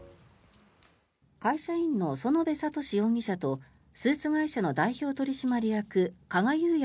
会社員の園部聡容疑者とスーツ会社の代表取締役加賀裕也